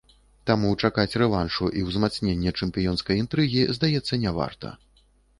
Таму чакаць рэваншу і ўзмацнення чэмпіёнскай інтрыгі, здаецца, не варта.